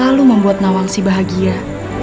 aku sangat berterimakasih pada mas